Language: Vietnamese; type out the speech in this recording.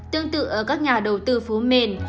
tương tự ở các nhà đầu tư phố mền